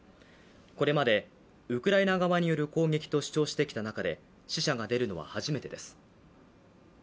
これまでウクライナ側による攻撃と主張してきた中で死者が出るのは初めてです。